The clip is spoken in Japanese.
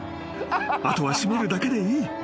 ［後は閉めるだけでいい］